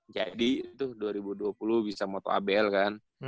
jadi tuh dua ribu dua puluh bisa moto abl kan